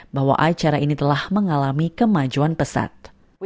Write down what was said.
bahwa acara ini telah mengalami kemajuan pesat